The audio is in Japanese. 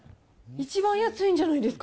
一番安いんじゃないですか？